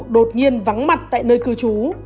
đột nhiên vắng mặt tại nơi cư trú